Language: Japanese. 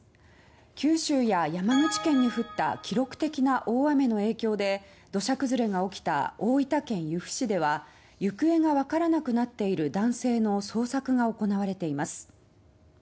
九州や山口県に降った記録的な大雨の影響で土砂崩れが起きた大分県由布市では行方がわからなくなっている男性の捜索が行われています。